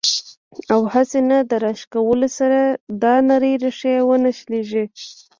او هسې نه د راښکلو سره دا نرۍ ريښې ونۀ شليږي